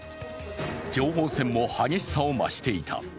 情報戦も激しさを増していた。